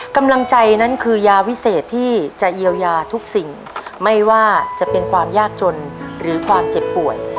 กำลังใจนั้นคือยาวิเศษที่จะเยียวยาทุกสิ่งไม่ว่าจะเป็นความยากจนหรือความเจ็บป่วย